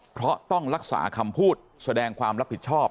เพราะต้องรักษาคำพูดแสดงความรับผิดชอบ